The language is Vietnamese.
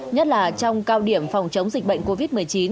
nhất là trong cao điểm phòng chống dịch bệnh covid một mươi chín